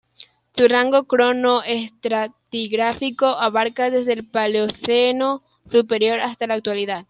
Su rango cronoestratigráfico abarca desde el Paleoceno superior hasta la actualidad.